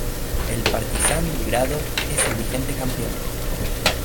El Partizan Belgrado es el vigente campeón.